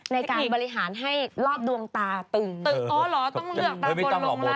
ในการบริหารให้รอบดวงตาตึง